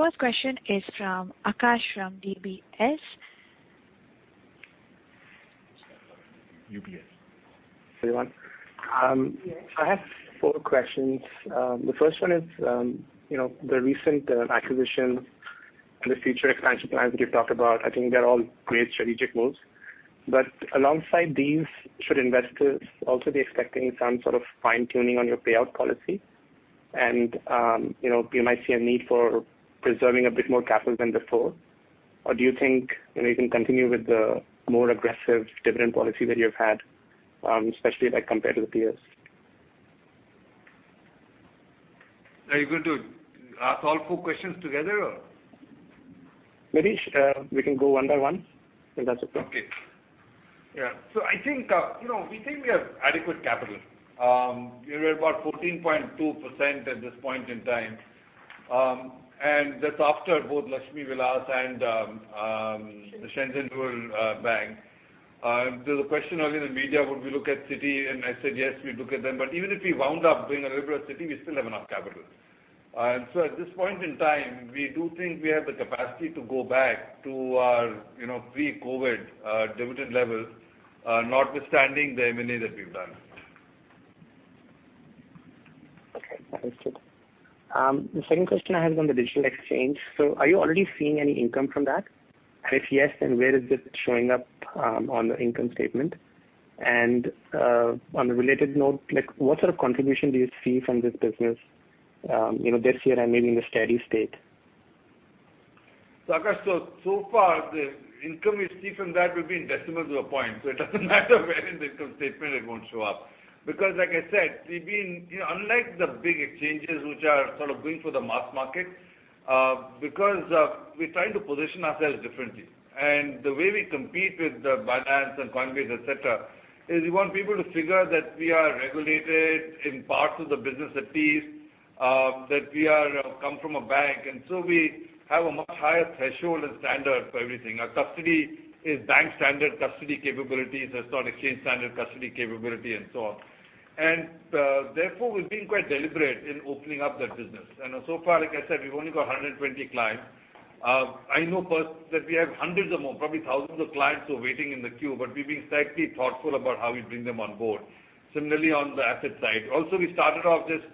First question is from Aakash Rawat from UBS. UBS. Everyone. Yes. I have four questions. The first one is, the recent acquisition and the future expansion plans that you've talked about, I think they're all great strategic moves. Alongside these, should investors also be expecting some sort of fine-tuning on your payout policy? You might see a need for preserving a bit more capital than before. Do you think you can continue with the more aggressive dividend policy that you've had, especially like compared to the peers? Are you going to ask all four questions together or? Maybe we can go one by one, if that's okay. Okay. Yeah. I think we have adequate capital. We're about 14.2% at this point in time. That's after both Lakshmi Vilas and Shenzhen Rural Bank. There was a question earlier in the media, would we look at Citi, and I said, yes, we look at them. Even if we wound up doing a liberal Citi, we still have enough capital. At this point in time, we do think we have the capacity to go back to our pre-COVID dividend levels, notwithstanding the M&A that we've done. Okay. Understood. The second question I have is on the digital exchange. Are you already seeing any income from that? If yes, where is this showing up on the income statement? On a related note, what sort of contribution do you see from this business this year and maybe in the steady state? Aakash, so far, the income we see from that will be in decimals or points. It doesn't matter where in the income statement it won't show up. Like I said, unlike the big exchanges which are sort of going for the mass market, because we're trying to position ourselves differently. The way we compete with Binance and Coinbase, et cetera, is we want people to figure that we are regulated in parts of the business at least, that we come from a bank. We have a much higher threshold and standard for everything. Our custody is bank standard custody capabilities. It's not exchange standard custody capability and so on. We've been quite deliberate in opening up that business. Like I said, we've only got 120 clients. I know for us that we have hundreds of more, probably thousands of clients who are waiting in the queue, but we're being slightly thoughtful about how we bring them on board. Similarly, on the asset side. Also, we started off just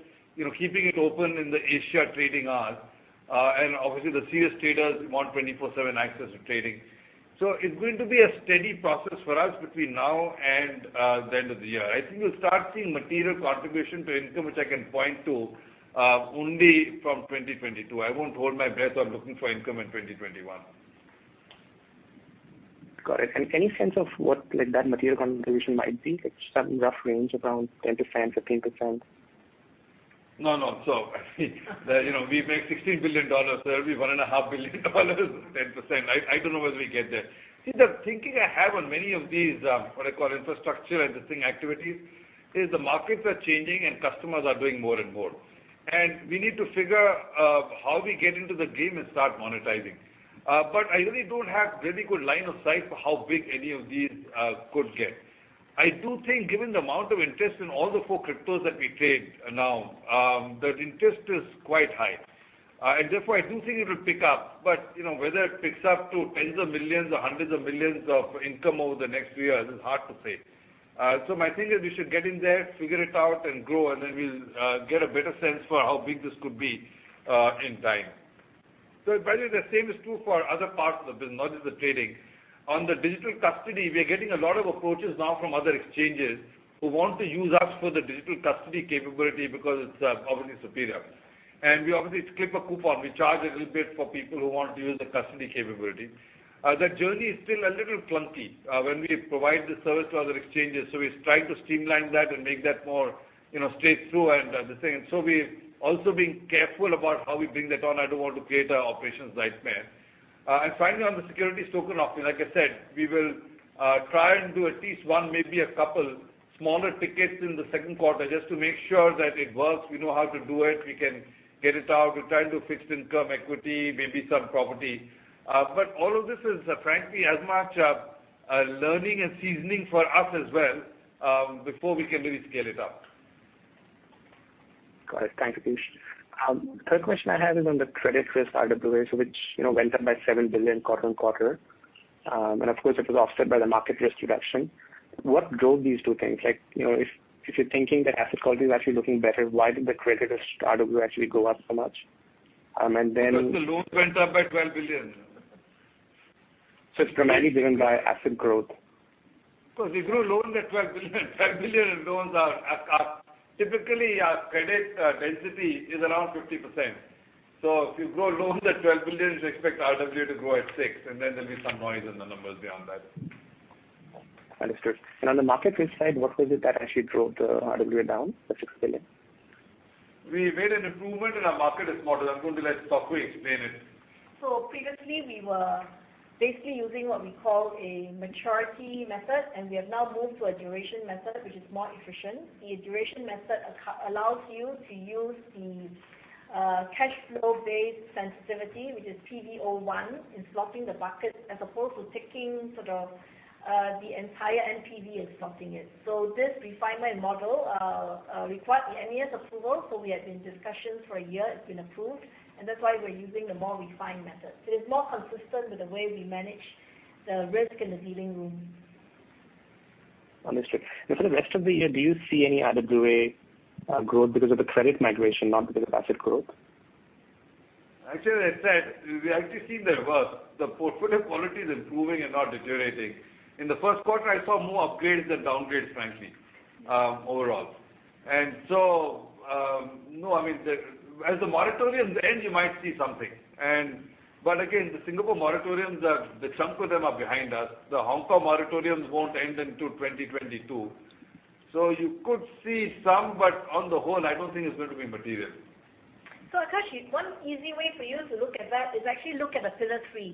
keeping it open in the Asia trading hours. Obviously the serious traders want 24 seven access to trading. It's going to be a steady process for us between now and the end of the year. I think we'll start seeing material contribution to income, which I can point to, only from 2022. I won't hold my breath on looking for income in 2021. Got it. Any sense of what that material contribution might be? Like some rough range around 10%, 15%? No, no. We make 16 billion dollars, so it will be one and a half billion dollars, 10%. I don't know whether we get there. See, the thinking I have on many of these, what I call infrastructure and this thing activities, is the markets are changing and customers are doing more and more. We need to figure how we get into the game and start monetizing. I really don't have really good line of sight for how big any of these could get. I do think given the amount of interest in all the four cryptos that we trade now, the interest is quite high. Therefore, I do think it will pick up. Whether it picks up to tens of millions or hundreds of millions of income over the next three years is hard to say. My thing is we should get in there, figure it out, and grow, and then we'll get a better sense for how big this could be in time. By the way, the same is true for other parts of the business, not just the trading. On the digital custody, we are getting a lot of approaches now from other exchanges who want to use us for the digital custody capability because it's obviously superior. We obviously clip a coupon. We charge a little bit for people who want to use the custody capability. The journey is still a little clunky when we provide the service to other exchanges, so we're trying to streamline that and make that more straight through and this thing. We're also being careful about how we bring that on. I don't want to create an operations nightmare. Finally, on the Security Token Offering, like I said, we will try and do at least one, maybe a couple smaller tickets in the Q2 just to make sure that it works, we know how to do it, we can get it out. We're trying to do fixed income equity, maybe some property. All of this is frankly as much a learning and seasoning for us as well before we can really scale it up. Got it. Thanks, Aakash. Third question I have is on the credit risk RWA, which went up by 7 billion quarter-on-quarter. Of course, it was offset by the market risk reduction. What drove these two things? If you're thinking that asset quality is actually looking better, why did the credit risk RWA actually go up so much? The loan went up by 12 billion. It's primarily driven by asset growth. We grew loans at 12 billion. 12 billion in loans are typically our credit density is around 50%. If you grow loans at 12 billion, you expect RWA to grow at 6 billion, and then there'll be some noise in the numbers beyond that. Understood. On the market risk side, what was it that actually drove the RWA down by 6 billion? We made an improvement in our market risk model. I'm going to let Chng Sok Hui explain it. Previously we were basically using what we call a maturity method, and we have now moved to a duration method, which is more efficient. The duration method allows you to use the cash flow-based sensitivity, which is PV of one in slotting the bucket, as opposed to taking sort of the entire NPV and slotting it. This refinement model required MAS approval, so we have been in discussions for a year. It's been approved, and that's why we're using the more refined method. It is more consistent with the way we manage the risk in the dealing room. Understood. For the rest of the year, do you see any RWA growth because of the credit migration, not because of asset growth? Actually, as I said, we are actually seeing the reverse. The portfolio quality is improving and not deteriorating. In the first quarter, I saw more upgrades than downgrades, frankly, overall. No, as the moratoriums end, you might see something. The Singapore moratoriums, the chunk of them are behind us. The Hong Kong moratoriums won't end until 2022. You could see some, but on the whole, I don't think it's going to be material. Aakash, one easy way for you to look at that is actually look at the Pillar Three.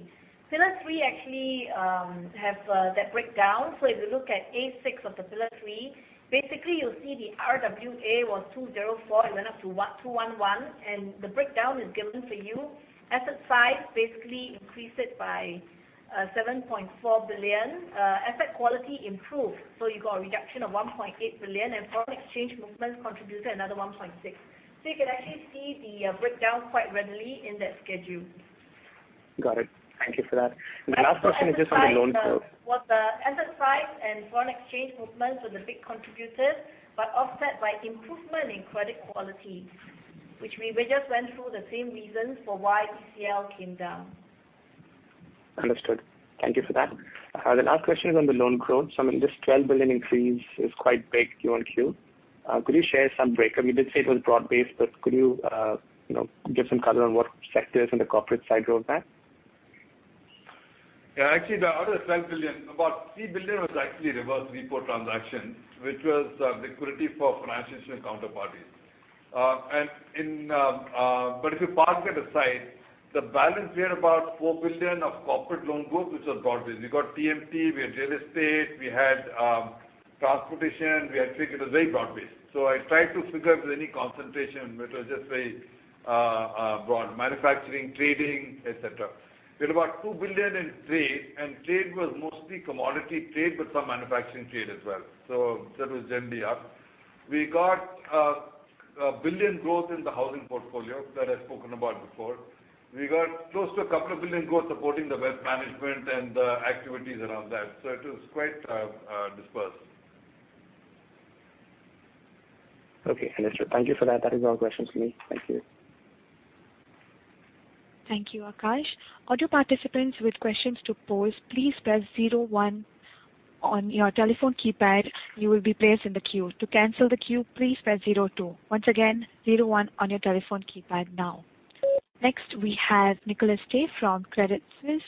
Pillar Three actually have that breakdown. If you look at A6 of the Pillar Three, basically you'll see the RWA was 204, it went up to 211, and the breakdown is given for you. Asset size basically increased by 7.4 billion. Asset quality improved, you got a reduction of 1.8 billion, and foreign exchange movements contributed another 1.6. You can actually see the breakdown quite readily in that schedule. Got it. Thank you for that. The last question is just on the loan growth. What the asset size and foreign exchange movements were the big contributors, offset by improvement in credit quality, which we just went through the same reasons for why ECL came down. Understood. Thank you for that. The last question is on the loan growth. This 12 billion increase is quite big QOQ. Could you share some breakdown? You did say it was broad-based, but could you give some color on what sectors in the corporate side drove that? Actually, out of the 12 billion, about 3 billion was actually reverse repo transactions, which was liquidity for financial institution counterparties. If you park that aside, the balance, we had about 4 billion of corporate loan growth, which was broad-based. We got TMT, we had real estate, we had transportation. I think it was very broad-based. I try to figure if there's any concentration, but it was just very broad. Manufacturing, trading, et cetera. We had about 2 billion in trade was mostly commodity trade, but some manufacturing trade as well. That was generally up. We got 1 billion growth in the housing portfolio that I've spoken about before. We got close to 2 billion growth supporting the wealth management and the activities around that, it was quite dispersed. Okay, understood. Thank you for that. That is all questions from me. Thank you. Thank you, Aakash. All due participants with questions to pose, please press zero one on your telephone keypad. You will be placed in the queue. To cancel the queue, please press zero two. Once again, zero one on your telephone keypad now. Next we have Nicholas Teh from Credit Suisse.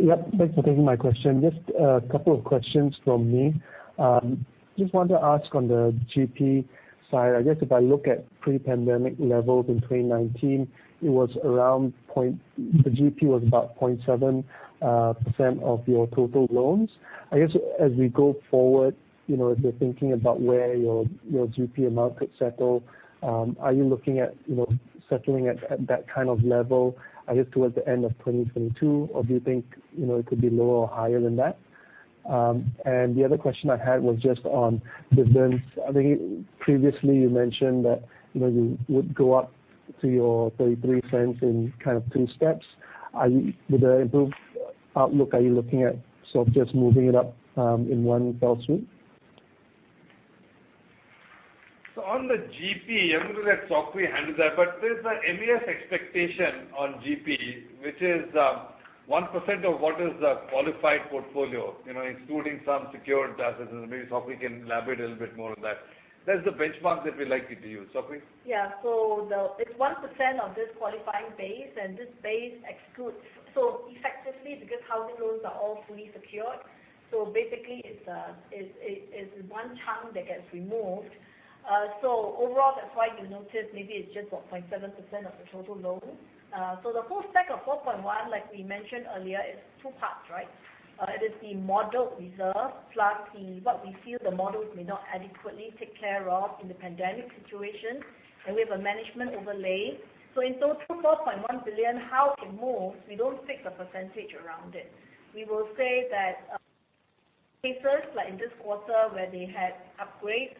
Yep. Thanks for taking my question. Just a couple of questions from me. Just wanted to ask on the GP side. I guess if I look at pre-pandemic levels in 2019, the GP was about 0.7% of your total loans. I guess, as we go forward, as you're thinking about where your GP amount could settle, are you looking at settling at that kind of level, I guess towards the end of 2022? Or do you think it could be lower or higher than that? The other question I had was just on dividends. I think previously you mentioned that you would go up to your 0.33 in kind of two steps. With the improved outlook, are you looking at sort of just moving it up in one fell swoop? On the GP, I'm going to let Chng Sok Hui handle that, but there's a MAS expectation on GP, which is one percent of what is the qualified portfolio, including some secured assets, and maybe Chng Sok Hui can elaborate a little bit more on that. That's the benchmark that we likely to use. Chng Sok Hui? Yeah. It's one percent of this qualifying base, and this base excludes. Effectively, because housing loans are all fully secured, basically it's one chunk that gets removed. Overall, that's why you notice maybe it's just 0.7% of the total loan. The whole stack of 4.1, like we mentioned earlier, is two parts, right? It is the model reserve, plus what we feel the models may not adequately take care of in the pandemic situation, and we have a management overlay. In total, 4.1 billion, how it moves, we don't fix a percentage around it. We will say that cases like in this quarter where they had upgrades,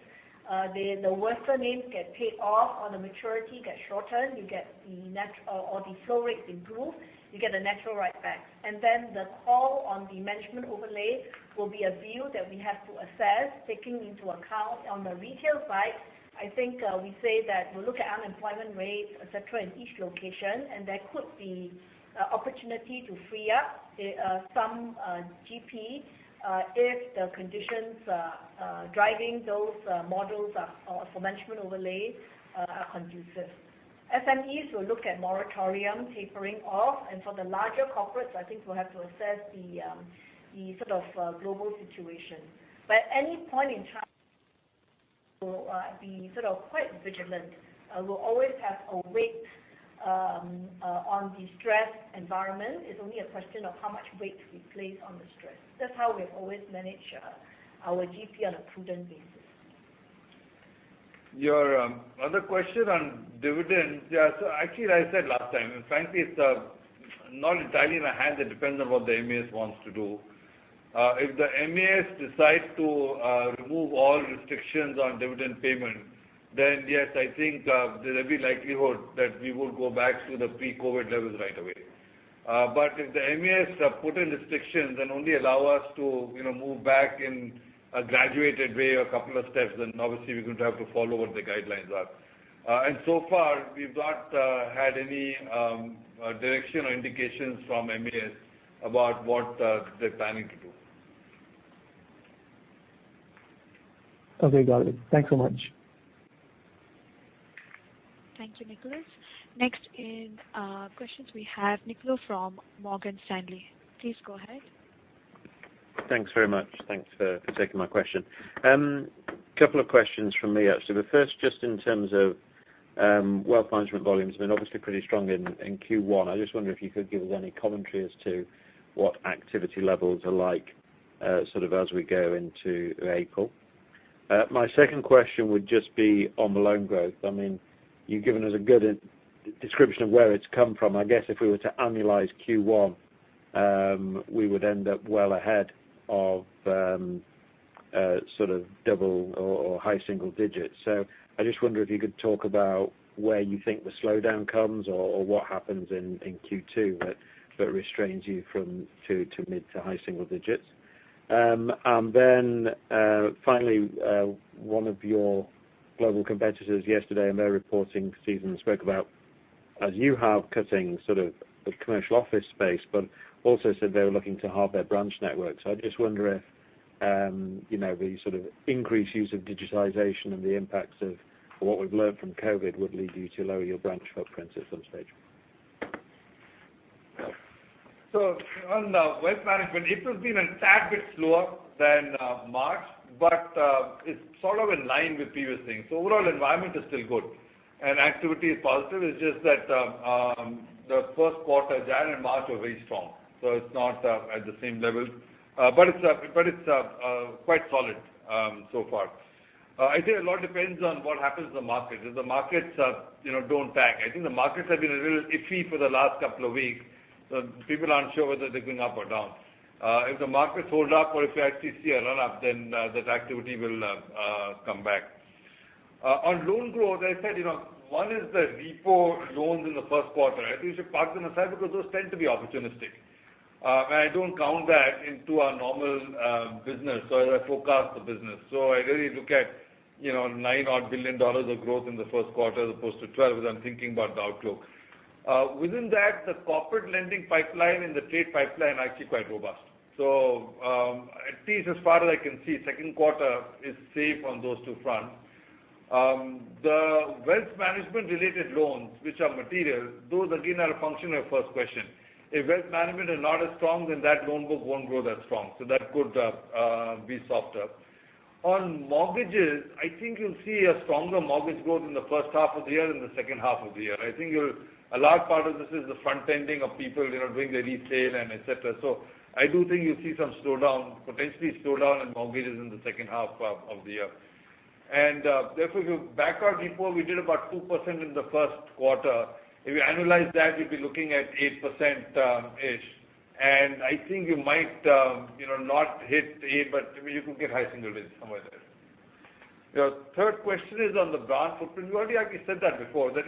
the worser names get paid off or the maturity gets shortened or the flow rates improve, you get a natural write-back. The call on the management overlay will be a view that we have to assess, taking into account on the retail side, I think we say that we'll look at unemployment rates, et cetera, in each location, and there could be opportunity to free up some GP if the conditions driving those models for management overlay are conducive. SMEs will look at moratorium tapering off, and for the larger corporates, I think we'll have to assess the sort of global situation. At any point in time, we'll be sort of quite vigilant. We'll always have a weight on the stress environment. It's only a question of how much weight we place on the stress. That's how we've always managed our GP on a prudent basis. Your other question on dividends. Actually, I said last time, and frankly, it's not entirely in our hands. It depends on what the MAS wants to do. If the MAS decides to remove all restrictions on dividend payment, yes, I think there'll be likelihood that we will go back to the pre-COVID levels right away. If the MAS put in restrictions and only allow us to move back in a graduated way or couple of steps, obviously we're going to have to follow what the guidelines are. So far, we've not had any direction or indications from MAS about what they're planning to do. Okay, got it. Thanks so much. Thank you, Nicholas. Next in questions, we have Nick Lord from Morgan Stanley. Please go ahead. Thanks very much. Thanks for taking my question. Couple of questions from me. The first, just in terms of wealth management volumes have been obviously pretty strong in Q1. I just wonder if you could give us any commentary as to what activity levels are like sort of as we go into April. My second question would just be on the loan growth. You've given us a good description of where it's come from. I guess if we were to annualize Q1, we would end up well ahead of double or high single digits. I just wonder if you could talk about where you think the slowdown comes or what happens in Q2 that restrains you from mid to high single digits. Finally, one of your global competitors yesterday in their reporting season spoke about, as you have, cutting sort of the commercial office space, but also said they were looking to halve their branch network. I just wonder if the sort of increased use of digitization and the impacts of what we've learned from COVID would lead you to lower your branch footprint at some stage. On the wealth management, it's been a tad bit slower than March, but it's sort of in line with previous things. Overall environment is still good and activity is positive. It's just that the first quarter, January and March were very strong, so it's not at the same level. It's quite solid so far. I think a lot depends on what happens to the market. If the markets don't tank. I think the markets have been a little iffy for the last couple of weeks, so people aren't sure whether they're going up or down. If the markets hold up or if we actually see a run-up, then that activity will come back. On loan growth, as I said, one is the repo loans in the first quarter. I think we should park them aside because those tend to be opportunistic. I don't count that into our normal business or as I forecast the business. I really look at 9 odd billion of growth in the first quarter as opposed to 12 billion as I'm thinking about the outlook. Within that, the corporate lending pipeline and the trade pipeline are actually quite robust. At least as far as I can see, second quarter is safe on those two fronts. The wealth management related loans, which are material, those again, are a function of first question. If wealth management is not as strong, then that loan book won't grow that strong. That could be softer. On mortgages, I think you'll see a stronger mortgage growth in the first half of the year than the second half of the year. I think a large part of this is the front-ending of people doing their resale and et cetera. I do think you'll see some potentially slowdown in mortgages in the second half of the year. Therefore, if you back our repo, we did about two percent in the Q1. If you annualize that, you'd be looking at eight percent, and I think you might not hit eight, but you could get high single digits somewhere there. Your third question is on the branch footprint. We already actually said that before, that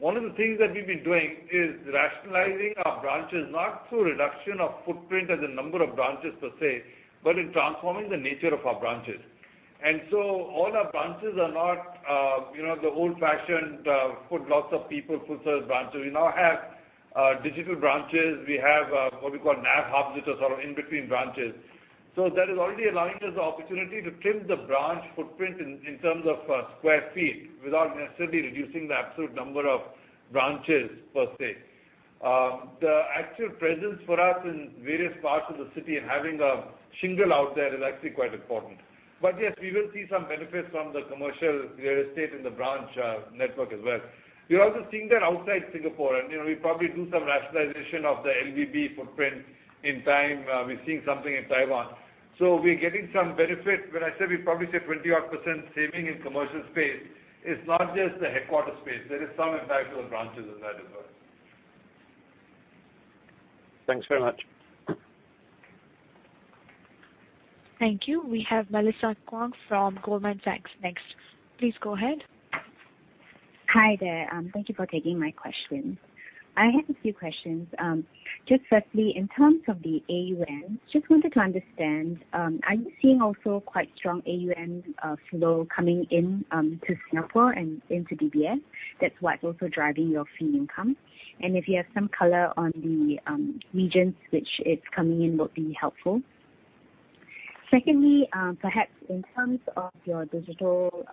one of the things that we've been doing is rationalizing our branches, not through reduction of footprint as a number of branches per se, but in transforming the nature of our branches. All our branches are not the old fashioned put lots of people, foot sold branches. We now have digital branches. We have what we call NAV Hub, which are sort of in between branches. That is already allowing us the opportunity to trim the branch footprint in terms of square feet without necessarily reducing the absolute number of branches per se. The actual presence for us in various parts of the city and having a shingle out there is actually quite important. Yes, we will see some benefits from the commercial real estate in the branch network as well. We're also seeing that outside Singapore, and we'll probably do some rationalization of the LVB footprint in time. We're seeing something in Taiwan. We're getting some benefit. When I say we probably save 20 odd % saving in commercial space, it's not just the headquarter space. There is some impact to the branches as well. Thanks very much. Thank you. We have Melissa Kuang from Goldman Sachs next. Please go ahead. Hi there. Thank you for taking my questions. I have a few questions. Just firstly, in terms of the AUM, just wanted to understand, are you seeing also quite strong AUM flow coming into Singapore and into UBS? That's what's also driving your fee income. If you have some color on the regions which it's coming in, would be helpful. Secondly, perhaps in terms of your digital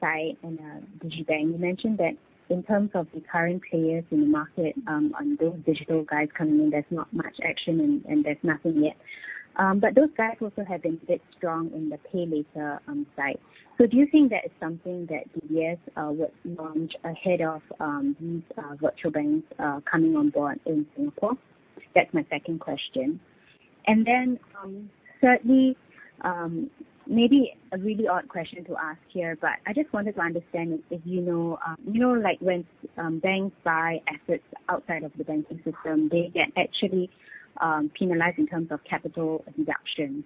side and Digibank, you mentioned that in terms of the current players in the market on those digital guys coming in, there's not much action and there's nothing yet. Those guys also have been a bit strong in the pay later side. Do you think that is something that UBS would launch ahead of these virtual banks coming on board in Singapore? That's my second question. Then, thirdly. Maybe a really odd question to ask here, but I just wanted to understand if you know when banks buy assets outside of the banking system, they get actually penalized in terms of capital deductions.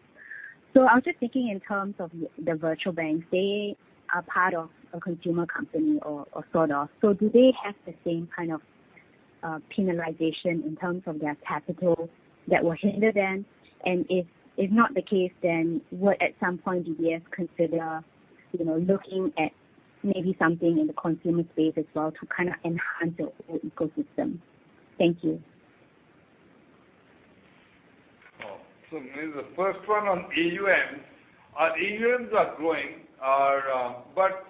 I was just thinking in terms of the virtual banks, they are part of a consumer company or sort of. Do they have the same kind of penalization in terms of their capital that will hinder them? If not the case, then would at some point UBS consider looking at maybe something in the consumer space as well to kind of enhance the whole ecosystem? Thank you. Oh. Melissa Kuang, the first one on AUM. Our AUMs are growing but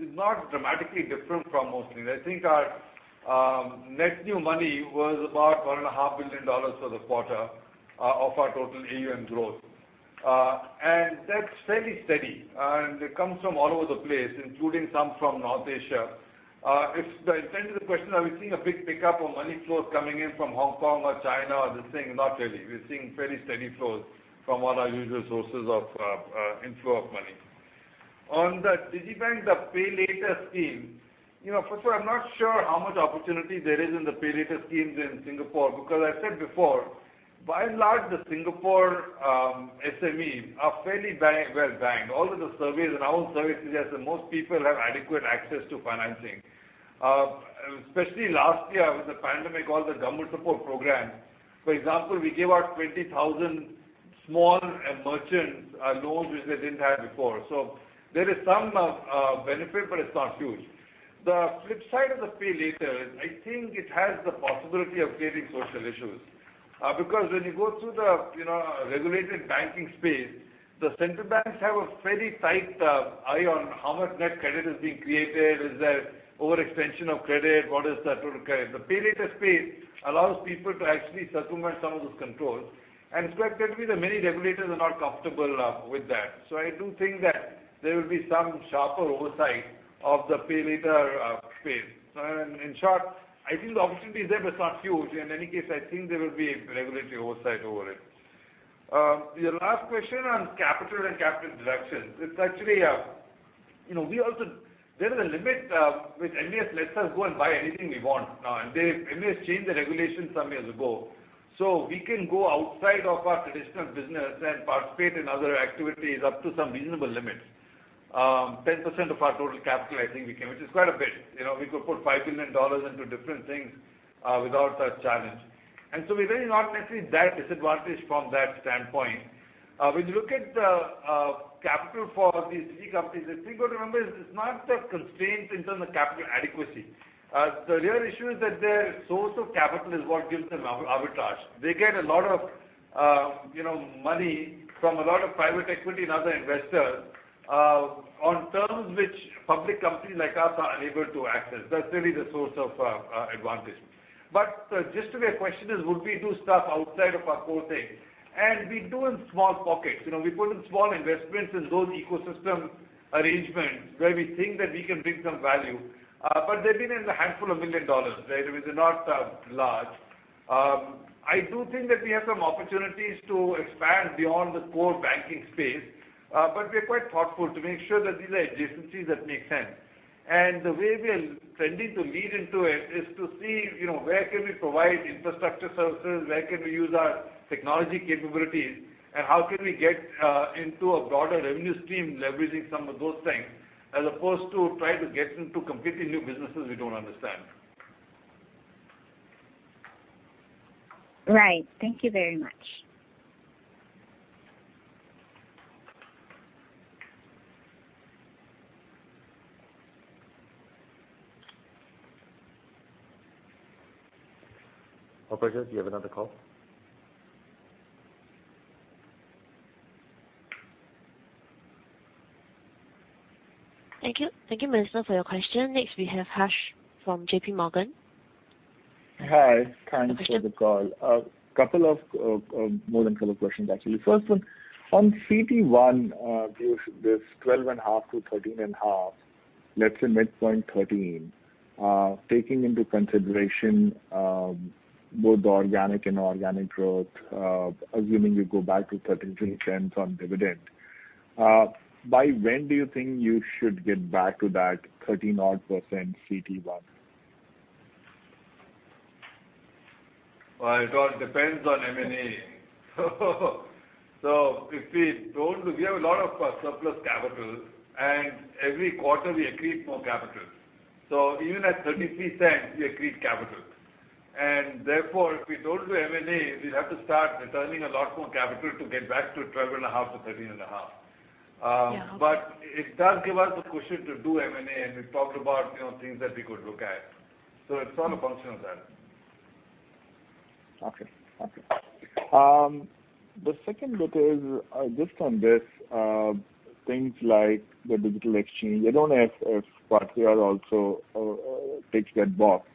it's not dramatically different from most things. I think our net new money was about 1.5 billion dollars for the quarter of our total AUM growth. That's fairly steady, and it comes from all over the place, including some from North Asia. If the extent of the question, are we seeing a big pickup of money flows coming in from Hong Kong or China or this thing? Not really. We're seeing fairly steady flows from all our usual sources of inflow of money. On the digibanks, the pay later scheme. First of all, I'm not sure how much opportunity there is in the pay later schemes in Singapore because I said before, by and large, the Singapore SMEs are fairly well banked. All of the surveys and our own surveys suggest that most people have adequate access to financing. Especially last year with the pandemic, all the government support programs. For example, we gave out 20,000 small merchant loans, which they didn't have before. There is some benefit, but it's not huge. The flip side of the pay later is I think it has the possibility of creating social issues. When you go through the regulated banking space, the central banks have a fairly tight eye on how much net credit is being created. Is there overextension of credit? What is the total credit? The pay later space allows people to actually circumvent some of those controls, and consequently, many regulators are not comfortable with that. I do think that there will be some sharper oversight of the pay later space. In short, I think the opportunity is there, but it's not huge. In any case, I think there will be regulatory oversight over it. Your last question on capital and capital deductions. There is a limit with MAS, lets us go and buy anything we want now, and MAS changed the regulations some years ago. We can go outside of our traditional business and participate in other activities up to some reasonable limits. 10% of our total capital, I think we can, which is quite a bit. We could put 5 billion dollars into different things without a challenge. We're really not necessarily that disadvantaged from that standpoint. When you look at capital for these three companies, the thing you got to remember is it's not that constrained in terms of capital adequacy. The real issue is that their source of capital is what gives them arbitrage. They get a lot of money from a lot of private equity and other investors on terms which public companies like us are unable to access. That's really the source of advantage. The gist of your question is, would we do stuff outside of our core thing? We do in small pockets. We put in small investments in those ecosystem arrangements where we think that we can bring some value. They've been in the handful of million dollars. They're not large. I do think that we have some opportunities to expand beyond the core banking space. We're quite thoughtful to make sure that these are adjacencies that make sense. The way we are trending to lean into it is to see where can we provide infrastructure services, where can we use our technology capabilities, and how can we get into a broader revenue stream leveraging some of those things, as opposed to trying to get into completely new businesses we don't understand. Right. Thank you very much. Operator, do you have another call? Thank you. Thank you, Minli, for your question. Next, we have Harsh from JPMorgan. Hi. Thanks for the call. Yes. More than a couple of questions, actually. First one, on CET1 gives this 12.5 to 13.5, let's say midpoint 13. Taking into consideration both the organic and inorganic growth, assuming you go back to 0.13 on dividend. By when do you think you should get back to that 13 odd % CET1? It all depends on M&A. If we don't do, we have a lot of surplus capital, and every quarter, we accrete more capital. Even at 0.33, we accrete capital. Therefore, if we don't do M&A, we'll have to start returning a lot more capital to get back to 12 and a half to 13 and a half. Yeah. Okay. It does give us the cushion to do M&A, and we've talked about things that we could look at. It's all a function of that. Okay. The second bit is just on this things like the digital exchange. I don't know if Partior also ticks that box.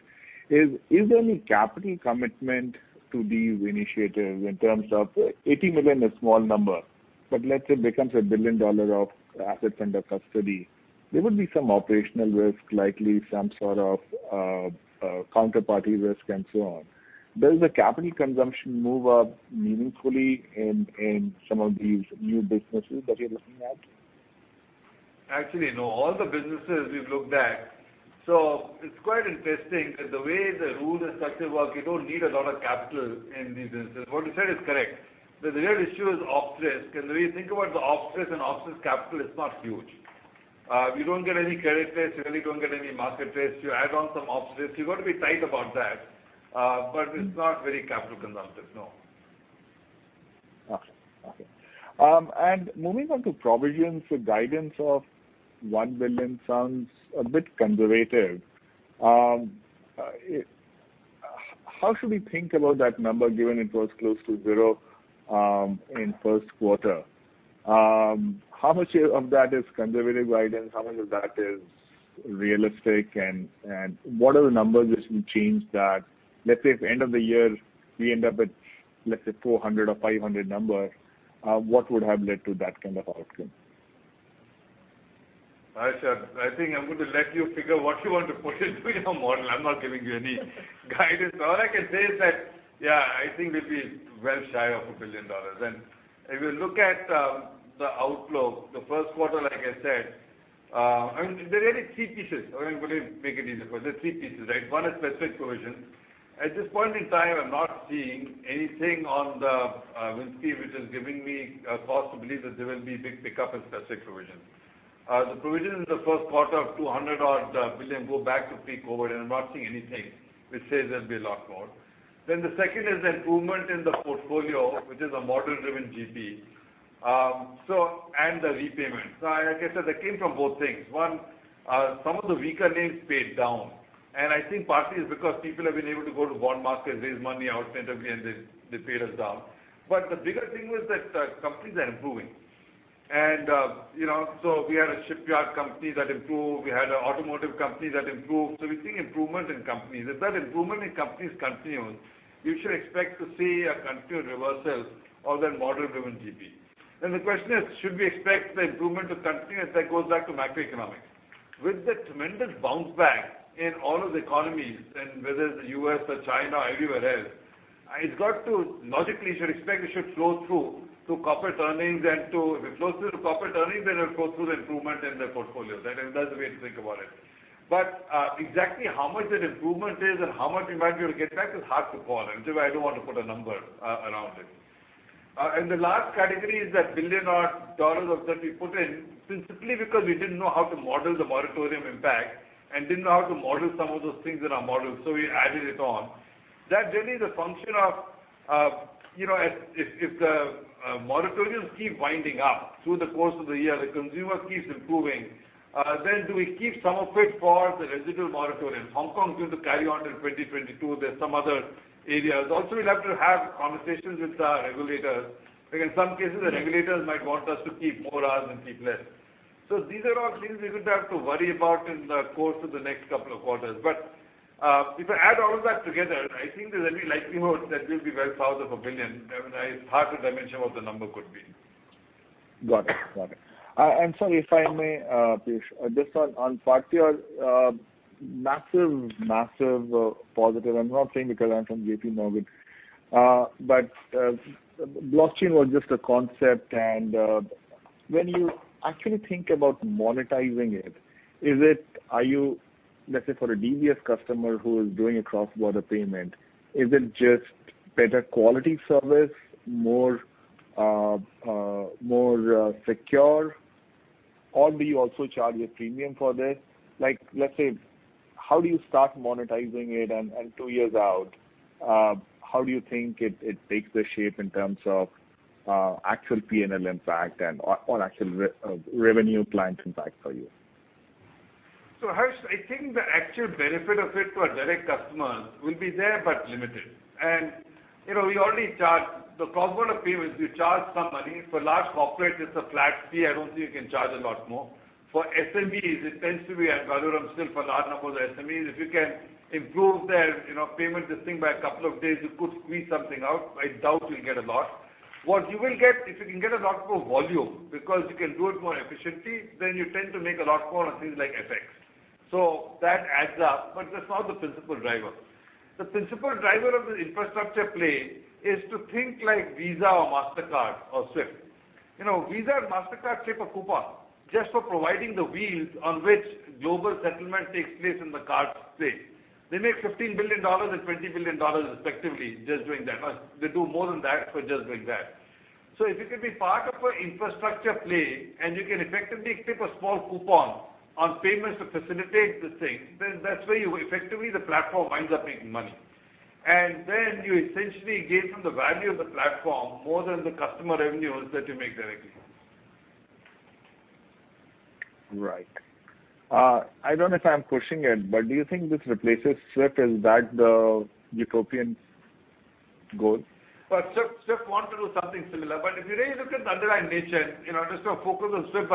Is there any capital commitment to these initiatives in terms of, 80 million is small number, but let's say it becomes 1 billion dollar of assets under custody. There would be some operational risk, likely some sort of counterparty risk and so on. Does the capital consumption move up meaningfully in some of these new businesses that you're looking at? Actually, no. All the businesses we've looked at. It's quite interesting that the way the rules and structure work, you don't need a lot of capital in these instances. What you said is correct. The real issue is op risk, and when you think about the op risk and op risk capital, it's not huge. You don't get any credit risk. You really don't get any market risk. You add on some op risk. You've got to be tight about that. It's not very capital consumptive, no. Okay. Moving on to provisions for guidance of 1 billion sounds a bit conservative. How should we think about that number, given it was close to zero in Q1? How much of that is conservative guidance? How much of that is realistic? What are the numbers which will change that? Let's say if end of the year we end up at, let's say 400 or 500 number, what would have led to that kind of outcome? Harsh, I think I'm going to let you figure out what you want to put into your model. I'm not giving you any guidance. All I can say is that, yeah, I think we'll be well shy of 1 billion dollars. If you look at the outlook, the first quarter, like I said. There are really three pieces. I'm going to make it easier for you. There are three pieces, right? One is specific provision. At this point in time, I'm not seeing anything on the wins fee which is giving me cause to believe that there will be big pickup in specific provision. The provision in the Q1 of 200 odd billion go back to pre-COVID. I'm not seeing anything which says there'll be a lot more. The second is the improvement in the portfolio, which is a model-driven GP, and the repayment. Like I said, that came from both things. One, some of the weaker names paid down, and I think partly it's because people have been able to go to bond market, raise money alternatively, and they paid us down. The bigger thing was that companies are improving. We had a shipyard company that improved. We had an automotive company that improved. We're seeing improvement in companies. If that improvement in companies continues, you should expect to see a continued reversal of that model-driven GP. The question is, should we expect the improvement to continue? That goes back to macroeconomics. With that tremendous bounce back in all of the economies and whether it's the U.S. or China or everywhere else, logically you should expect it should flow through to corporate earnings. If it flows through to corporate earnings, then it'll flow through the improvement in the portfolio. That's the way to think about it. Exactly how much that improvement is and how much we might be able to get back is hard to call, and that's why I don't want to put a number around it. The last category is that 1 billion dollars odd or so we put in, principally because we didn't know how to model the moratorium impact and didn't know how to model some of those things in our model, so we added it on. That really is a function of if the moratoriums keep winding up through the course of the year, the consumer keeps improving, then do we keep some of it for the residual moratorium? Hong Kong is going to carry on till 2022. There are some other areas. We'll have to have conversations with our regulators because in some cases the regulators might want us to keep more or keep less. These are all things we would have to worry about in the course of the next couple of quarters. If I add all of that together, I think there's every likelihood that we'll be well south of 1 billion. It's hard to dimension what the number could be. Got it. Sorry, if I may, Piyush. Just on Partior. Massive positive. I'm not saying because I'm from JPMorgan. Blockchain was just a concept and when you actually think about monetizing it, let's say for a DBS customer who is doing a cross-border payment, is it just better quality service, more secure, or do you also charge a premium for this? Let's say, how do you start monetizing it and two years out how do you think it takes the shape in terms of actual PNL impact and/or actual revenue client impact for you? Harsh, I think the actual benefit of it to our direct customers will be there but limited. We already charge. The cross-border payments, we charge some money. For large corporate it's a flat fee. I don't think you can charge a lot more. For SMBs, it tends to be, and Rajaram said for large number of SMEs, if you can improve their payment, this thing by a couple of days, you could squeeze something out, but I doubt you'll get a lot. What you will get, if you can get a lot more volume because you can do it more efficiently, then you tend to make a lot more on things like FX. That adds up. That's not the principal driver. The principal driver of the infrastructure play is to think like Visa or Mastercard or SWIFT. Visa and Mastercard take a coupon just for providing the wheels on which global settlement takes place in the card space. They make 15 billion dollars and 20 billion dollars respectively just doing that. They do more than that for just doing that. If you can be part of an infrastructure play and you can effectively take a small coupon on payments to facilitate the thing, then that's where effectively the platform winds up making money. You essentially gain from the value of the platform more than the customer revenues that you make directly. Right. I don't know if I'm pushing it, but do you think this replaces SWIFT? Is that the utopian goal? Well, SWIFT want to do something similar. If you really look at the underlying nature and just sort of focus on SWIFT.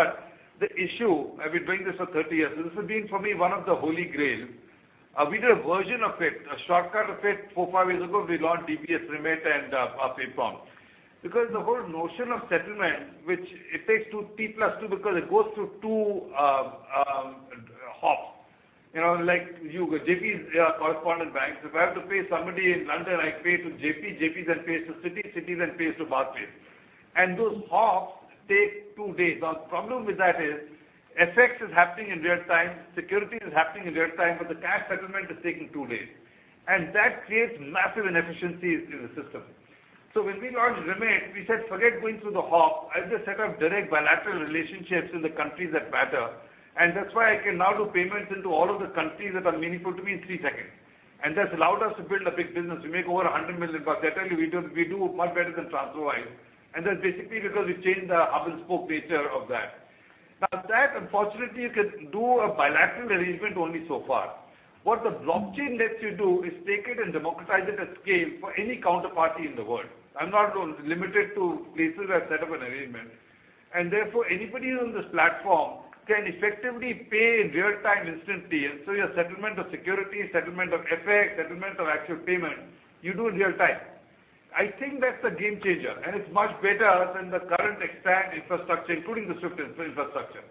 The issue, I've been doing this for 30 years, this has been for me one of the holy grail. We did a version of it, a shortcut of it four, five years ago. We launched DBS Remit and PayLah!. The whole notion of settlement, which it takes two T plus two because it goes through Like you, JPMorgan is a correspondent bank. If I have to pay somebody in London, I pay to JPMorgan. JPMorgan then pays to Citi. Citi then pays to Barclays. Those hops take two days. Now, the problem with that is FX is happening in real time, securities is happening in real time, but the cash settlement is taking two days, and that creates massive inefficiencies in the system. When we launched Remit, we said, "Forget going through the hop. I'll just set up direct bilateral relationships in the countries that matter." That's why I can now do payments into all of the countries that are meaningful to me in three seconds. That's allowed us to build a big business. We make over 100 million bucks. I tell you, we do much better than TransferWise, and that's basically because we changed the hub and spoke nature of that. That unfortunately, you can do a bilateral arrangement only so far. What the blockchain lets you do is take it and democratize it at scale for any counterparty in the world. I'm not limited to places I've set up an arrangement. Therefore, anybody on this platform can effectively pay in real time instantly. Your settlement of security, settlement of FX, settlement of actual payment, you do in real time. I think that's a game changer, and it's much better than the current extant infrastructure, including the SWIFT infrastructure.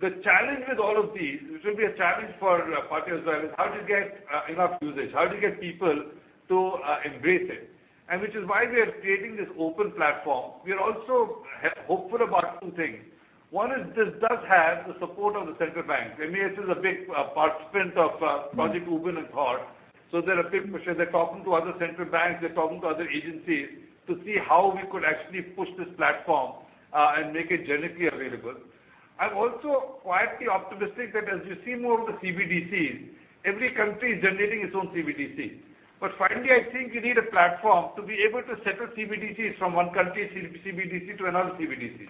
The challenge with all of these, which will be a challenge for Partior as well, is how do you get enough usage? How do you get people to embrace it? Which is why we are creating this open platform. We are also hopeful about two things. One is this does have the support of the central banks. MAS is a big participant of Project Ubin and Thor. They're talking to other central banks, they're talking to other agencies to see how we could actually push this platform and make it generally available. I'm also quietly optimistic that as you see more of the CBDCs, every country is generating its own CBDC. Finally, I think you need a platform to be able to settle CBDCs from one country CBDC to another CBDC.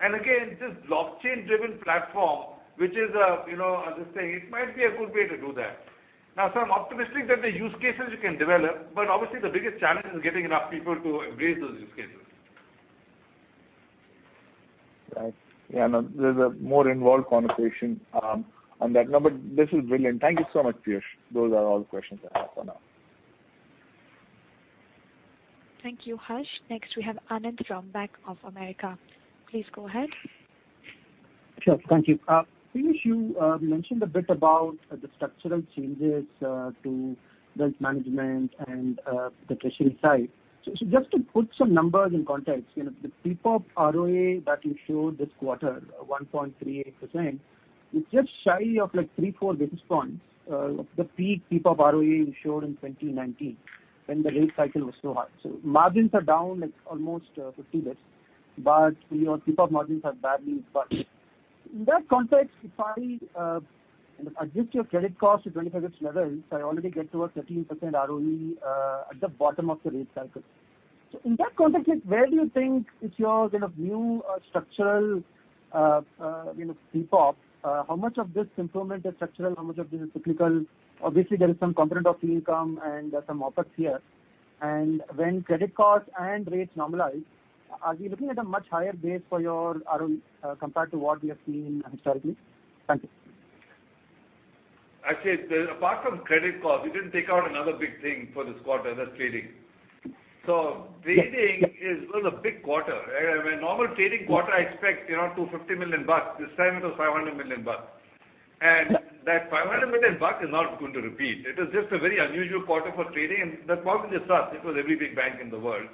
Again, this blockchain-driven platform, it might be a good way to do that. Now, I'm optimistic that the use cases you can develop, but obviously the biggest challenge is getting enough people to embrace those use cases. Right. Yeah, no, there's a more involved conversation on that. This is brilliant. Thank you so much, Piyush. Those are all the questions I have for now. Thank you, Harsh. Next, we have Anand from Bank of America. Please go ahead. Sure. Thank you. Piyush, you mentioned a bit about the structural changes to wealth management and the treasury side. Just to put some numbers in context, the TPOP ROA that you showed this quarter, 1.38%, is just shy of three, four basis points of the peak TPOP ROA you showed in 2019, when the rate cycle was so high. Margins are down almost 50 basis points, but your TPOP margins have barely budged. In that context, if I adjust your credit cost to 25 basis points levels, I already get to a 13% ROE at the bottom of the rate cycle. In that context, where do you think is your kind of new structural TPOP, how much of this improvement is structural? How much of this is cyclical? Obviously, there is some component of fee income and some opex here. When credit costs and rates normalize, are we looking at a much higher base for your ROE compared to what we have seen historically? Thank you. Actually, apart from credit cost, we didn't take out another big thing for this quarter, that's trading. Trading, it was a big quarter. A normal trading quarter, I expect 250 million bucks. This time it was 500 million bucks. That 500 million is not going to repeat. It is just a very unusual quarter for trading, and the problem is us. It was every big bank in the world.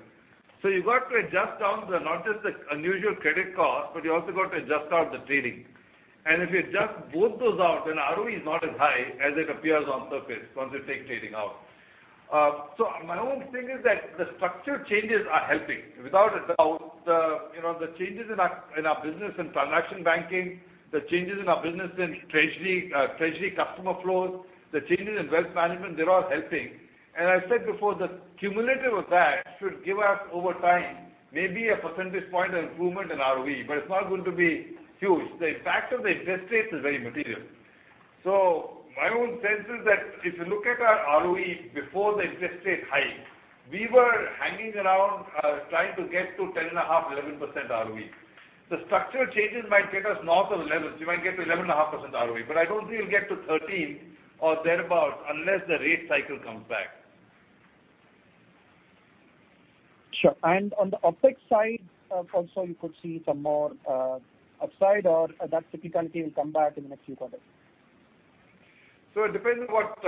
You've got to adjust down not just the unusual credit cost, but you also got to adjust out the trading. If you adjust both those out, then ROE is not as high as it appears on surface once you take trading out. My own thing is that the structural changes are helping. Without a doubt the changes in our business in transaction banking, the changes in our business in treasury customer flows, the changes in wealth management, they're all helping. I said before, the cumulative of that should give us, over time, maybe a percentage point of improvement in ROE, but it's not going to be huge. The impact of the interest rates is very material. My own sense is that if you look at our ROE before the interest rate hike, we were hanging around trying to get to 10.5, 11% ROE. The structural changes might get us north of 11. We might get to 11.5% ROE, but I don't think we'll get to 13 or thereabout unless the rate cycle comes back. Sure. On the OpEx side also, you could see some more upside, or that cyclicality will come back in the next few quarters? It depends on what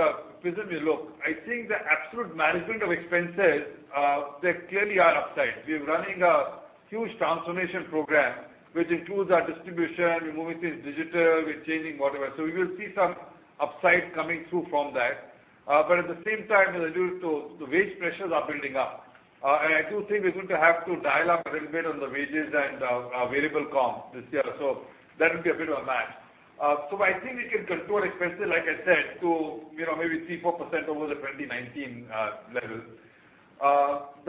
prism you look. I think the absolute management of expenses, there clearly are upsides. We're running a huge transformation program, which includes our distribution. We're moving things digital, we're changing whatever. We will see some upside coming through from that. At the same time, as I do, the wage pressures are building up. I do think we're going to have to dial up a little bit on the wages and our variable comp this year. That will be a bit of a match. I think we can control expenses, like I said, to maybe three-four percent over the 2019 levels.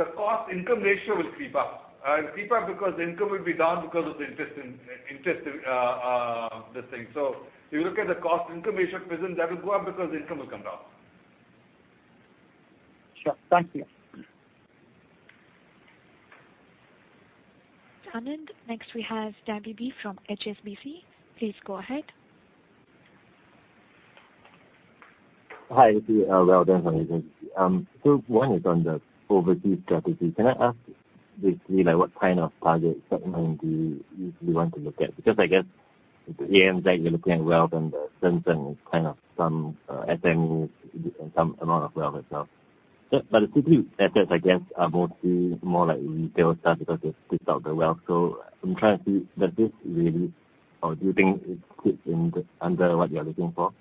The cost income ratio will creep up. It'll creep up because the income will be down because of the interest this thing. If you look at the cost income ratio prism, that will go up because the income will come down. Sure. Thank you. Anand. Next we have Danny Beattie. from HSBC. Please go ahead. Hi, this is Welden Financial. One is on the overseas strategy. Can I ask basically what kind of target segment do you want to look at? Because I guess with ANZ you're looking at wealth and Shenzhen is some SMEs and some amount of wealth as well. The Citi assets, I guess, are mostly more like retail stuff because they've skipped out the wealth. I'm trying to see, do you think it sits under what you're looking for?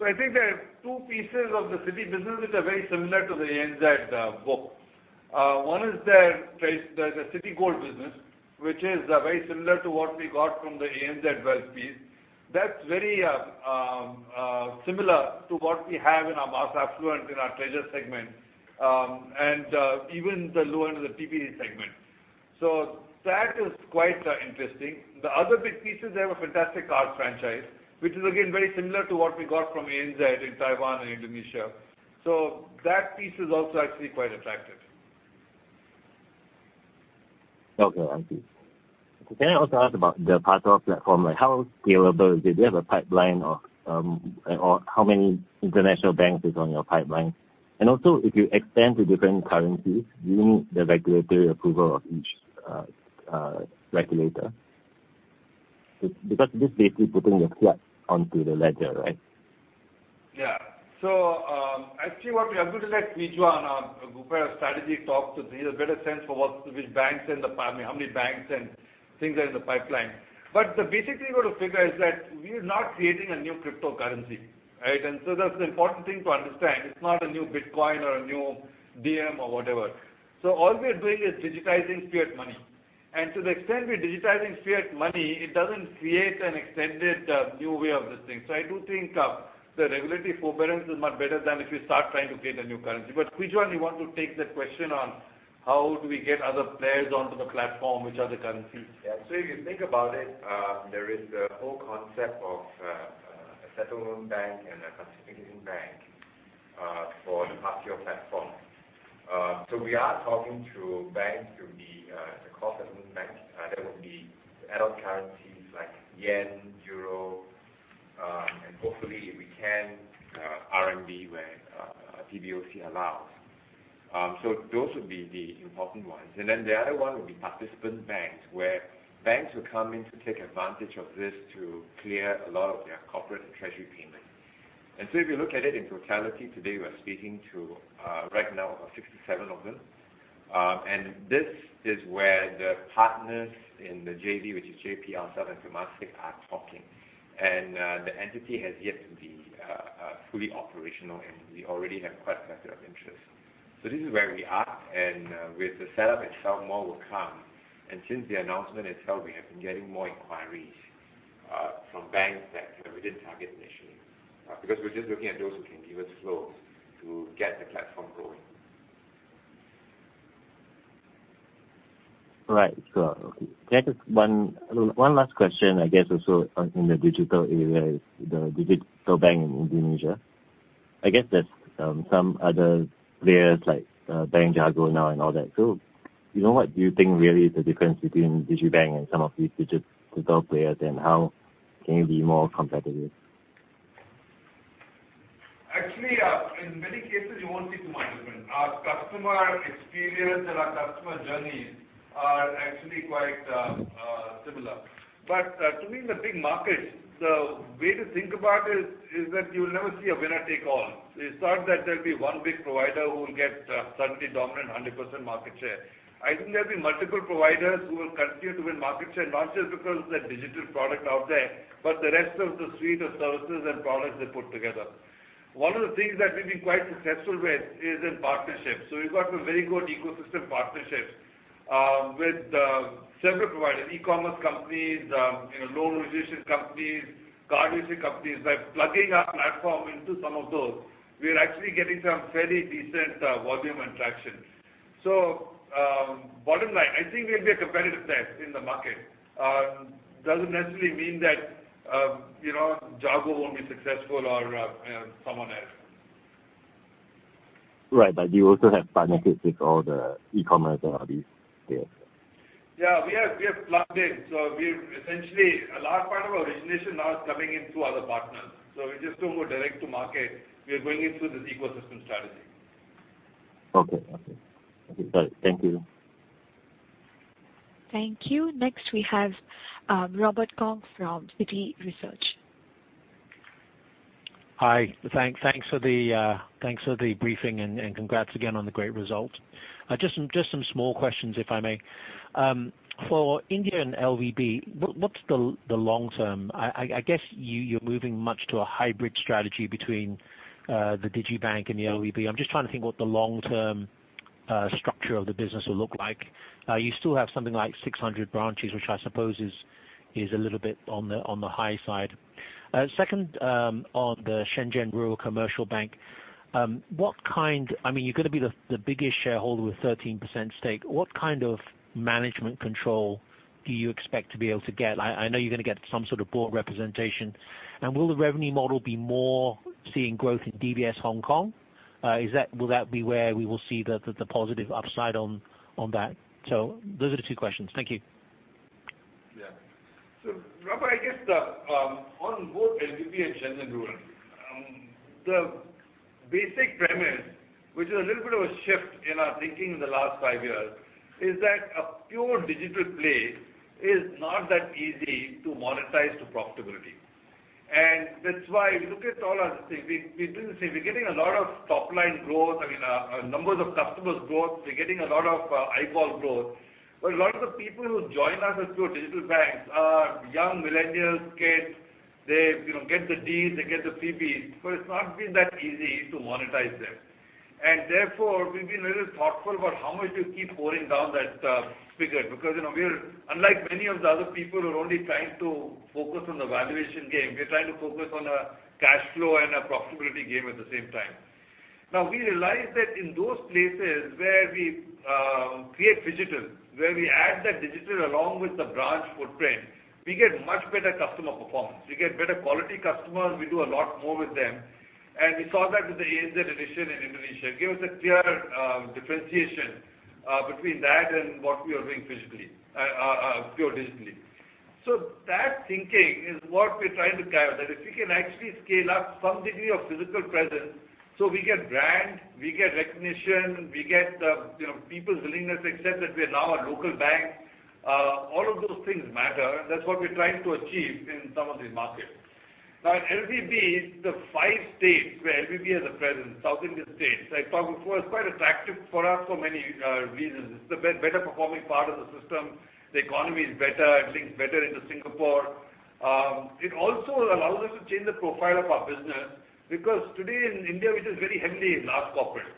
I think there are two pieces of the Citi business which are very similar to the ANZ book. One is the Citigold business, which is very similar to what we got from the ANZ wealth piece. That is very similar to what we have in our mass affluent, in our Treasures segment. Even the low end of the TBD segment. That is quite interesting. The other big piece is they have a fantastic card franchise, which is again, very similar to what we got from ANZ in Taiwan and Indonesia. That piece is also actually quite attractive. Okay. I see. Can I also ask about the platform? How scalable is it? Do you have a pipeline, or how many international banks is on your pipeline? If you extend to different currencies, do you need the regulatory approval of each regulator? Because this is basically putting your trust onto the ledger, right? Actually what we are going to let Kwee Juan on a group strategy talk to give a better sense for which banks and how many banks and things are in the pipeline. The basic thing you got to figure is that we are not creating a new cryptocurrency, right? That's the important thing to understand. It's not a new Bitcoin or a new Diem or whatever. All we are doing is digitizing fiat money. To the extent we're digitizing fiat money, it doesn't create an extended new way of this thing. I do think the regulatory forbearance is much better than if you start trying to create a new currency. Kwee Juan, you want to take that question on how do we get other players onto the platform, which are the currencies? Yeah. If you think about it, there is the whole concept of a settlement bank and a participating bank for the platform. We are talking to banks to be the core settlement bank that will be other currencies like JPY, EUR, and hopefully if we can, RMB, where PBOC allows. Those would be the important ones. The other one would be participant banks, where banks will come in to take advantage of this to clear a lot of their corporate and treasury payments. If you look at it in totality, today, we are speaking to right now, 67 of them. This is where the partners in the JV, which is JP, ourselves and Temasek, are talking. The entity has yet to be fully operational, and we already have quite a fair share of interest. This is where we are and with the setup itself, more will come. Since the announcement itself, we have been getting more inquiries from banks that we didn't target initially because we're just looking at those who can give us flows to get the platform growing. Right. Sure. Okay. Can I just one last question, I guess also on in the digital area is the digital bank in Indonesia. I guess there is some other players like Bank Jago now and all that. What do you think really is the difference between digibank and some of these digital players and how can you be more competitive? Actually, in many cases you won't see too much difference. Our customer experience and our customer journeys are actually quite similar. To me, in the big markets, the way to think about it is that you'll never see a winner take all. It's not that there'll be one big provider who will get suddenly dominant 100% market share. I think there'll be multiple providers who will continue to win market share, not just because of the digital product out there, but the rest of the suite of services and products they put together. We've got some very good ecosystem partnerships with several providers, e-commerce companies, loan origination companies, card issuing companies. By plugging our platform into some of those, we are actually getting some fairly decent volume and traction. Bottom line, I think we'll be a competitive player in the market. Doesn't necessarily mean that Jago won't be successful or someone else. Right. You also have partnerships with all the e-commerce and all these players. Yeah. We have plugged in. Essentially, a large part of our origination now is coming in through other partners. We just don't go direct to market. We are going in through this ecosystem strategy. Okay. Got it. Thank you. Thank you. Next, we have Robert Kong from Citi Research. Hi. Thanks for the briefing and congrats again on the great result. Just some small questions, if I may. For India and LVB, what's the long term? I guess you're moving much to a hybrid strategy between the digibank and the LVB. I'm just trying to think what the long-term structure of the business will look like. You still have something like 600 branches, which I suppose is a little bit on the high side. Second, on the Shenzhen Rural Commercial Bank, you're going to be the biggest shareholder with 13% stake. What kind of management control do you expect to be able to get? I know you're going to get some sort of board representation. Will the revenue model be more seeing growth in UBS Hong Kong? Will that be where we will see the positive upside on that? Those are the two questions. Thank you. Robert, I guess on both LVB and Shenzhen Rural, the basic premise, which is a little bit of a shift in our thinking in the last five years, is that a pure digital play is not that easy to monetize to profitability. That's why if you look at all our things, we're getting a lot of top-line growth. I mean, numbers of customers growth, we're getting a lot of eyeball growth, a lot of the people who join us as pure digital banks are young millennial kids. They get the deals, they get the PB, it's not been that easy to monetize them. Therefore, we've been a little thoughtful about how much to keep pouring down that spigot because we're unlike many of the other people who are only trying to focus on the valuation game. We're trying to focus on a cash flow and a profitability game at the same time. We realize that in those places where we create phygital, where we add that digital along with the branch footprint, we get much better customer performance. We get better quality customers, we do a lot more with them. We saw that with the ANZ addition in Indonesia. It gave us a clear differentiation between that and what we are doing pure digitally. That thinking is what we're trying to carry out, that if we can actually scale up some degree of physical presence so we get brand, we get recognition, we get the people's willingness to accept that we are now a local bank. All of those things matter. That's what we're trying to achieve in some of these markets. In LVB, the five states where LVB has a presence, South Indian states, like Tamil Nadu, is quite attractive for us for many reasons. It's the better performing part of the system. The economy is better, everything's better into Singapore. It also allows us to change the profile of our business because today in India, it is very heavily large corporate.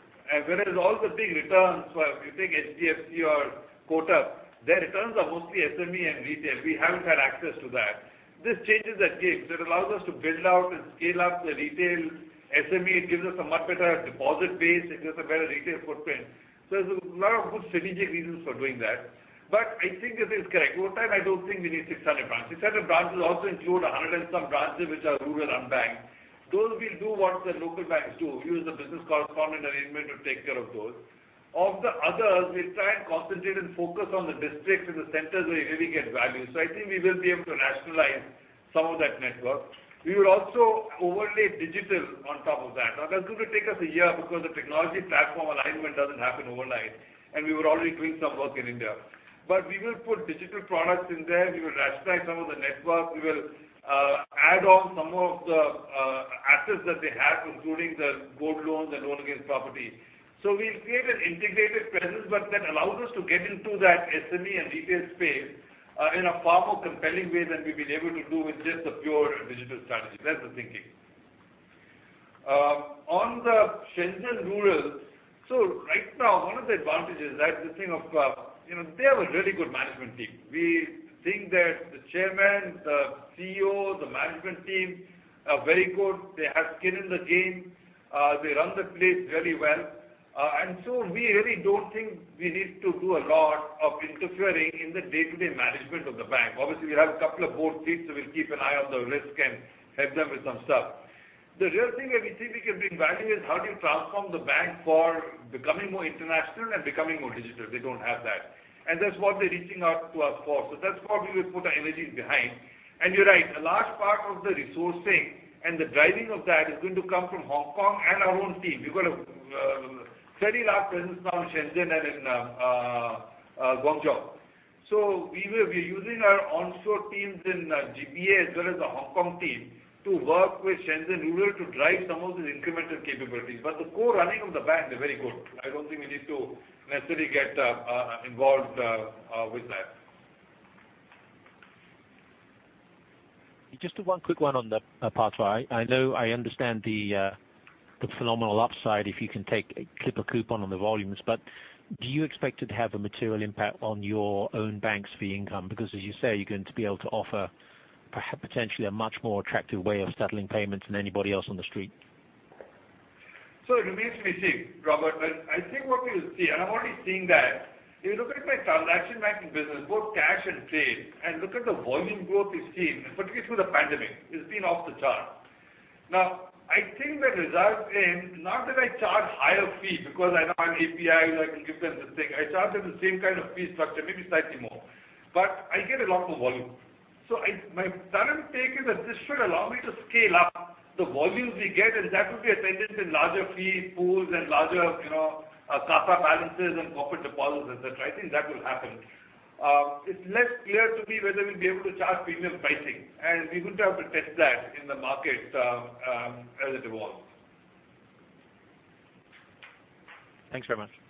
Whereas all the big returns, where if you take HDFC or Kotak, their returns are mostly SME and retail. We haven't had access to that. This changes that game. It allows us to build out and scale up the retail SME. It gives us a much better deposit base. It gives a better retail footprint. There's a lot of good strategic reasons for doing that. I think this is correct. Over time, I don't think we need 600 branches. 600 branches also include 100 and some branches which are rural unbanked. Those will do what the local banks do, use the business correspondent arrangement to take care of those. Of the others, we try and concentrate and focus on the districts and the centers where we get value. I think we will be able to rationalize some of that network. We will also overlay digital on top of that. Now, that's going to take us a year because the technology platform alignment doesn't happen overnight, and we were already doing some work in India. We will put digital products in there. We will rationalize some of the network. We will add on some of the assets that they have, including the gold loans and loan against property. We'll create an integrated presence, but that allows us to get into that SME and retail space in a far more compelling way than we've been able to do with just the pure digital strategy. That's the thinking. On the Shenzhen Rural, so right now, one of the advantages, this thing of they have a really good management team. We think that the Chairman, the CEO, the management team are very good. They have skin in the game. They run the place really well. We really don't think we need to do a lot of interfering in the day-to-day management of the bank. Obviously, we have a couple of board seats, so we'll keep an eye on the risk and help them with some stuff. The real thing that we think we can bring value is how do you transform the bank for becoming more international and becoming more digital. They don't have that. That's what they're reaching out to us for. That's what we will put our energies behind. You're right, a large part of the resourcing and the driving of that is going to come from Hong Kong and our own team. We've got a fairly large presence now in Shenzhen and in Guangzhou. We will be using our onshore teams in GBA as well as the Hong Kong team to work with Shenzhen Rural Commercial Bank to drive some of these incremental capabilities. The core running of the bank, they're very good. I don't think we need to necessarily get involved with that. Just one quick one on the Partior. I understand the phenomenal upside if you can clip a coupon on the volumes, but do you expect it to have a material impact on your own bank's fee income? As you say, you're going to be able to offer potentially a much more attractive way of settling payments than anybody else on the street. It remains to be seen, Robert. I think what we will see, and I'm already seeing that, if you look at my transaction banking business, both cash and trade, and look at the volume growth we've seen, and particularly through the pandemic, it's been off the chart. I think that results in not that I charge higher fee because I now have APIs, I can give them this thing. I charge them the same kind of fee structure, maybe slightly more. I get a lot more volume. My current take is that this should allow me to scale up the volumes we get and that will be attendant in larger fee pools and larger CASA balances and corporate deposits, et cetera. I think that will happen. It's less clear to me whether we'll be able to charge premium pricing, and we would have to test that in the market as it evolves. Thanks very much.